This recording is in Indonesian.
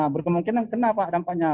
berkemungkinan kena pak dampaknya